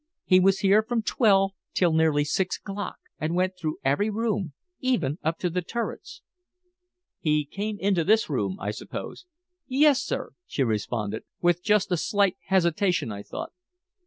He was here from twelve till nearly six o'clock, and went through every room, even up to the turrets." "He came into this room, I suppose?" "Yes, sir," she responded, with just a slight hesitation, I thought.